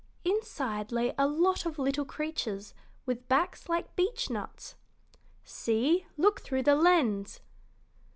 Inside lay a lot of little creatures with backs like beechnuts. "See, look through the lens!"